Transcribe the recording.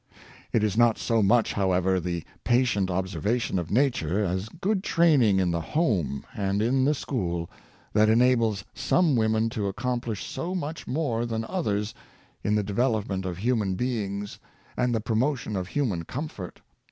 '^ It is not so much, however, the patient observation of nature, as good training in the home and in the school, that enables some women to accomplish so much more than others in the development of human be ings and the promotion of human comfort.